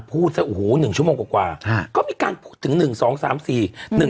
พูดสัก๑ชั่วโมงกว่ากว่าก็มีการพูดถึง๑๒๓๔